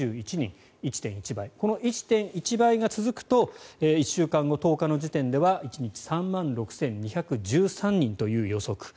この１．１倍が続くと１週間後、１０日の時点では１日３万６２１３人という予測。